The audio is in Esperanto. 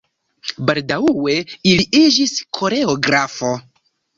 Baldaŭe li iĝis koreografo.